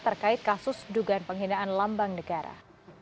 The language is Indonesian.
terkait kasus dugaan penghinaan lambang negara